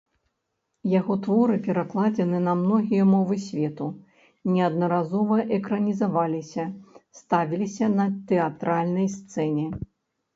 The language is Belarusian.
Яго творы перакладзены на многія мовы свету, неаднаразова экранізаваліся, ставіліся на тэатральнай сцэне.